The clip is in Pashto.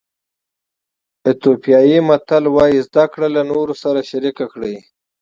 ایتیوپیایي متل وایي زده کړه له نورو سره شریک کړئ.